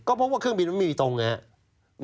ก็เพราะว่าเครื่องบินมันไม่มีตรงอย่างนี้